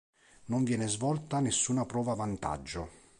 Non viene svolta nessuna prova vantaggio.